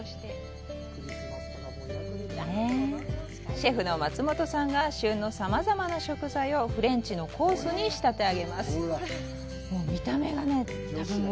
シェフの松本さんが旬のさまざまな食材をフレンチのコースに仕立て上げます。